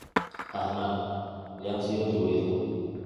Además le han sido atribuidos.